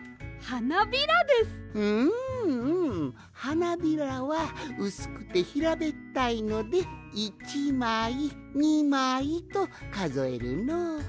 はなびらはうすくてひらべったいので「１まい２まい」とかぞえるのう。